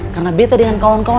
karena betta dengan kawan kawan itu